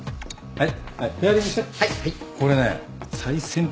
はい。